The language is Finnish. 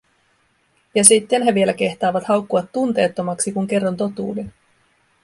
Ja sitten he vielä kehtaavat haukkua tunteettomaksi, kun kerron totuuden.